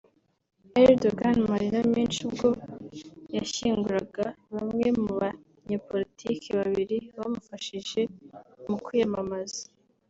Erdogan mu marira menshi ubwo yashyinguraga bamwe mu banyepolitike babiri bamufashije mu kwiyamamaza